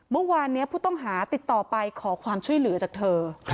เมื่อวานนี้ผู้ต้องหาติดต่อไปขอความช่วยเหลือจากเธอ